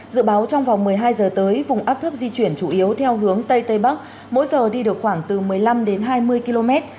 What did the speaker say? dự báo trong vòng một mươi hai giờ tới vùng áp thấp di chuyển chủ yếu theo hướng tây tây bắc mỗi giờ đi được khoảng từ một mươi năm đến hai mươi km